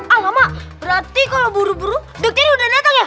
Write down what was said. alamak berarti kalau buru buru dokter udah datang ya